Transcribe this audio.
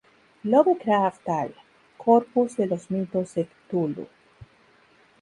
Lovecraft al "corpus" de los Mitos de Cthulhu.